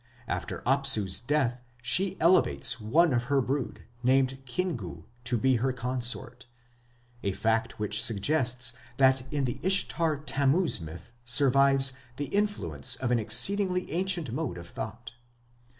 After Apsu's death she elevates one of her brood, named Kingu, to be her consort, a fact which suggests that in the Ishtar Tammuz myth survives the influence of exceedingly ancient modes of thought.